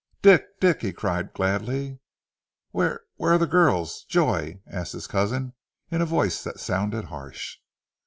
"Dick! Dick!" he cried gladly. "Where ... where ... are the girls ... Joy?" asked his cousin in a voice that sounded harsh.